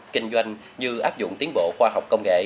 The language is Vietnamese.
kinh doanh như áp dụng tiến bộ khoa học công nghệ